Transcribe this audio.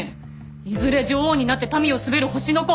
いずれ女王になって民を統べる星の子。